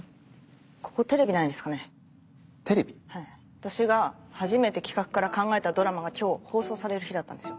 私が初めて企画から考えたドラマが今日放送される日だったんですよ。